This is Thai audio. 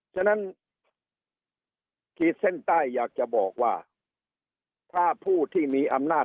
ฉะนั้นขีดเส้นใต้อยากจะบอกว่าถ้าผู้ที่มีอำนาจ